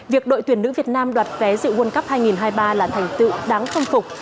việc đội tuyển nữ việt nam đoạt vé dự world cup hai nghìn hai mươi ba là thành tựu đáng khâm phục